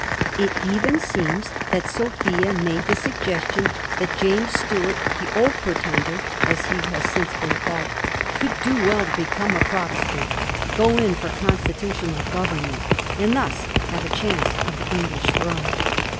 It even seems that Sophia made the suggestion that James Stuart, the Old Pretender, as he has since been called, would do well to become a Protestant, go in for constitutional govenmient, and thus have a chance of the English throne.